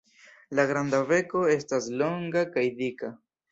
La granda beko estas longa kaj dika.